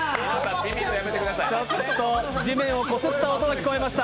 地面をこすった音が聞こえました。